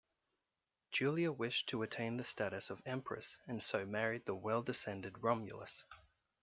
Julia wished to attain the status of Empress, and so married the well-descended Romulus.